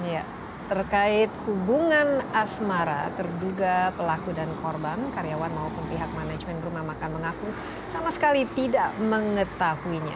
ya terkait hubungan asmara terduga pelaku dan korban karyawan maupun pihak manajemen rumah makan mengaku sama sekali tidak mengetahuinya